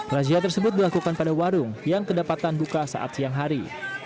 razia tersebut dilakukan pada warung yang kedapatan buka saat siang hari